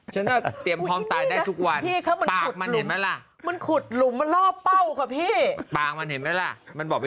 ฉันแนะเตรียมพร้อมตายได้ทุกวัน